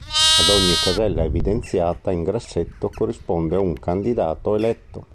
Ad ogni casella evidenziata in grassetto corrisponde un candidato eletto.